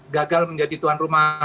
gagal menjadi tuan rumah